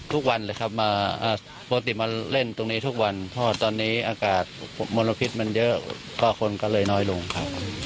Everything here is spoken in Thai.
ทุกวันเลยครับมาปกติมาเล่นตรงนี้ทุกวันเพราะว่าตอนนี้อากาศมลพิษมันเยอะก็คนก็เลยน้อยลงครับ